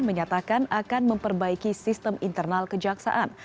menyatakan akan memperbaiki sistem internal kejaksaan